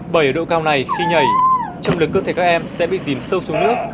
bởi ở độ cao này khi nhảy châm lực cơ thể các em sẽ bị dìm sâu xuống nước